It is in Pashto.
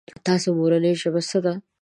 تاسو مورنۍ ژبه څه ده ؟